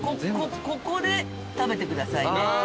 ここで食べてくださいね。